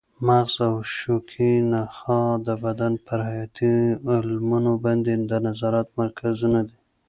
مغز او شوکي نخاع د بدن پر حیاتي عملونو باندې د نظارت مرکزونه دي.